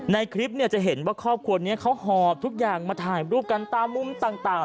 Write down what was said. ในคลิปเนี่ยจะเห็นว่าครอบครัวนี้เขาหอบทุกอย่างมาถ่ายรูปกันตามมุมต่าง